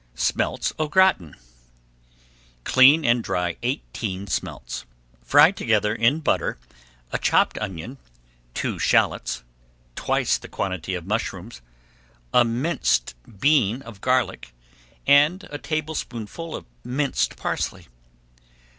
[Page 375] SMELTS AU GRATIN Clean and dry eighteen smelts. Fry together in butter a chopped onion, two shallots, twice the quantity of mushrooms, a minced bean of garlic, and a tablespoonful of minced parsley.